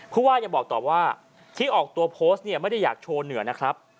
ผู้ว่ายังบอกต่อว่าที่ออกตัวโพสต์เนี่ยไม่ได้อยากโชว์เหนือนะครับ